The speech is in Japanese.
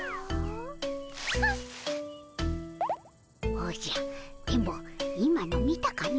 おじゃ電ボ今の見たかの。